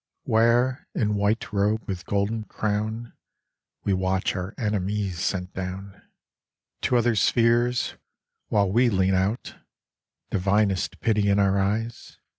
Where, in white robe, with golden crown. We watch our enemies sent down, To other spheres, while we lean out Divinest pity in our eyes.